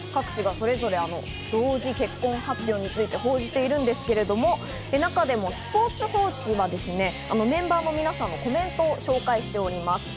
各紙がそれぞれ同時結婚発表について報じているんですけれども、中でもスポーツ報知はメンバーの皆さんのコメントを紹介しております。